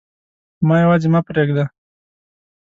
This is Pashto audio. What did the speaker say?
ما یواځي مه پریږده